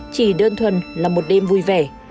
chỉ đơn thuần là một đêm vui vẻ